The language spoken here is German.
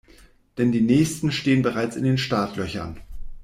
Denn die nächsten stehen bereits in den Startlöchern.